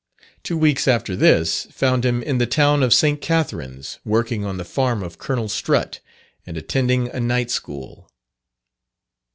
Two weeks after this found him in the town of St. Catharines, working on the farm of Colonel Strut, and attending a night school.